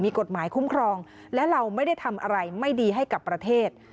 มีกฎหมายคุ้มครองและเราไม่ได้ทำอะไรไม่ดีให้กับประเทศ